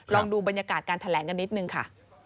ลองดูบรรยากาศการแถลงกันนิดนึงค่ะ